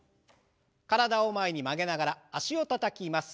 体を前に曲げながら脚をたたきます。